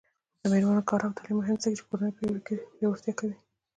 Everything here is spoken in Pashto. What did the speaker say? د میرمنو کار او تعلیم مهم دی ځکه چې کورنۍ پیاوړتیا کوي.